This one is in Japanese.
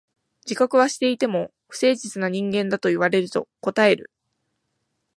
自覚はしていても、不誠実な人間だと言われると応える。